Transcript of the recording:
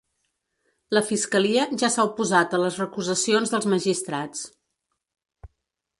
La fiscalia ja s’ha oposat a les recusacions dels magistrats.